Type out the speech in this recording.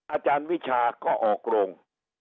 อาจารย์วิชาก็ออกโรง